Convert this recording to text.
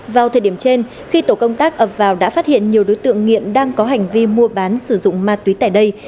vào thời điểm trên khi tổ công tác ập vào đã phát hiện nhiều đối tượng nghiện đang có hành vi mua bán sử dụng ma túy tại đây